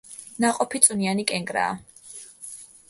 ნაყოფი წვნიანი კენკრაა.